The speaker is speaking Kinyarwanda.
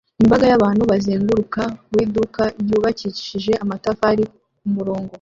Imbaga y'abantu bazenguruka mu iduka ryubakishijwe amatafari ku murongo